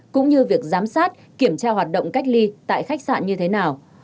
cũng như việc giám sát kiểm tra hoạt động cách ly tại khách sạn như thế nào